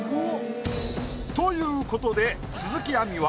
ということで鈴木亜美は。